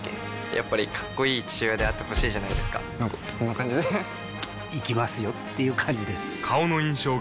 やっぱりかっこいい父親であってほしいじゃないですかなんかこんな感じで行きますよっていう感じです